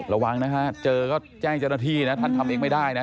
ระวังนะฮะเจอก็แจ้งเจ้าหน้าที่นะท่านทำเองไม่ได้นะ